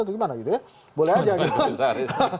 atau gimana gitu ya boleh aja gitu